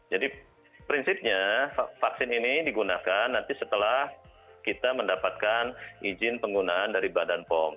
jadi prinsipnya vaksin ini digunakan nanti setelah kita mendapatkan izin penggunaan dari badan pom